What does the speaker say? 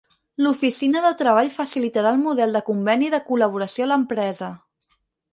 L'Oficina de Treball facilitarà el model de conveni de col·laboració a l'empresa.